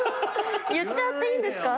言っちゃっていいんですか？